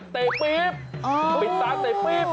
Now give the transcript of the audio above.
เตะปี๊บปิดตาเตะปี๊บ